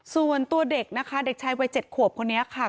ส่วนตัวเด็กนะคะเด็กชายวัย๗ขวบคนนี้ค่ะ